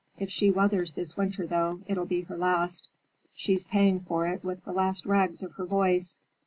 If she weathers this winter through, it'll be her last. She's paying for it with the last rags of her voice.